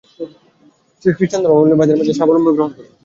খৃষ্টান ধর্মাবলম্বী ভাইদের মাঝে অবস্থান গ্রহণ করলাম।